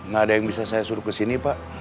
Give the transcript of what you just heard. gak ada yang bisa saya suruh kesini pak